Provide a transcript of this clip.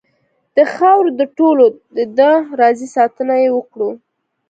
داخاوره دټولو ډ ه ده راځئ ساتنه یې وکړو .